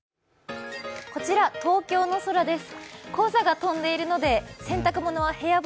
こちら東京の空です。